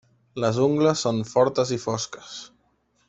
Les ungles són fortes i fosques.